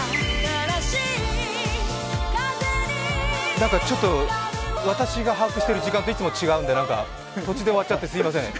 なんかちょっと、私が把握してる時間といつも違うんで、途中で終わっちゃってすいません。